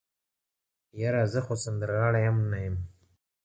يره زه خو سندرغاړی ام نه يم.